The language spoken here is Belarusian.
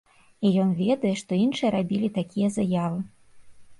І ён ведае, што іншыя рабілі такія заявы.